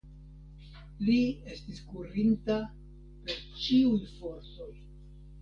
Li estis kurinta per ĉiuj fortoj.